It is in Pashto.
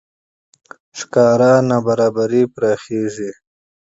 ظاهري نابرابرۍ پراخېږي.